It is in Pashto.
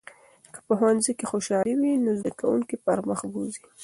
که په ښوونځي کې خوشالي وي، نو زده کوونکي به پرمخ بوځي.